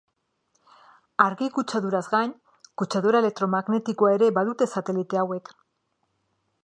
Argi kutsaduraz gain, kutsadura elektromagnetikoa ere badute satelite hauek.